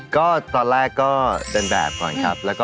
ก็ตอนแรกก็เดินแบบก่อนครับ